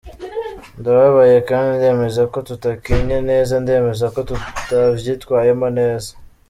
Ndababaye kandi ndemeza ko tutakinye neza, ndemeza ko tutavyitwayemwo neza.